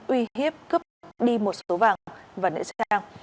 uy hiếp cướp đi một số vàng và nữ sang